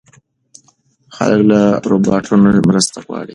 خلک له روباټونو مرسته غواړي.